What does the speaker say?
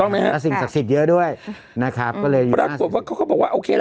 น่าสิ่งศักดิ์สิทธิ์เยอะด้วยนะคะก็เลยเขาเขาบอกว่าโอเคล่ะ